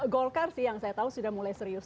golkar sih yang saya tahu sudah mulai serius